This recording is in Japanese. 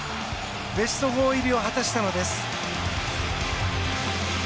ベスト４入りを果たしたのです。